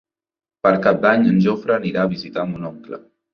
Per Cap d'Any en Jofre anirà a visitar mon oncle.